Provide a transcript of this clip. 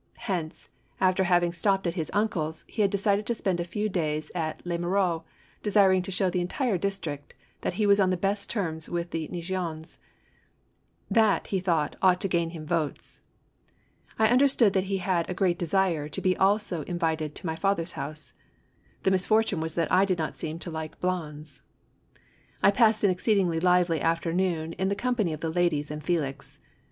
Hence, after having stopped at his uncle's, he had decided to spend a few days at Les Mureaiix, desiring to show the entire district that he was on the best terms with the Neigeons; that, he thought, ought to gain him votes. I understood that he had a great desire to be also in vited to my father's house. The misfortune Avas that I did not seem to like blondes. I passed an exceedingly lively afternoon in the com pany of the ladies and Felix.